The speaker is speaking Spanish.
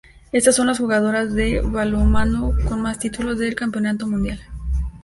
Estas son las jugadoras de balonmano con más títulos del Campeonato Mundial.